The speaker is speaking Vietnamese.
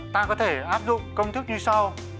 ta có thể áp dụng công thức như sau